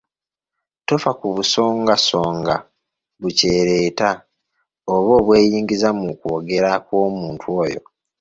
Tofa ku busongasonga bukyereeta oba obweyingiza mu kwogera kw’omuntu oyo.